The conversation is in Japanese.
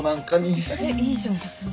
えっいいじゃん別に。